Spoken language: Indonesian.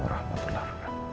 aduh ya allah